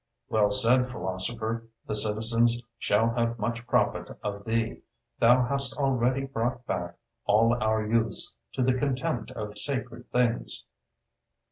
Well said, philosopher! the citizens shall have much profit of thee! thou hast already brought back all our youths to the contempt of sacred things.